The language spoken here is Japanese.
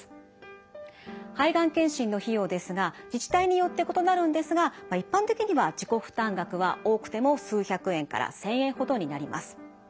肺がん検診の費用ですが自治体によって異なるんですが一般的には自己負担額は多くても数百円千円ほどになります。